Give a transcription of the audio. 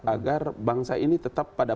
agar bangsa ini tetap pada